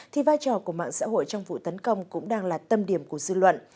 thì vai trò của mạng xã hội trong vụ tấn công cũng đang là tâm điểm của dư luận